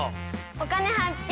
「お金発見」。